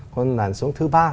còn lãnh sống thứ ba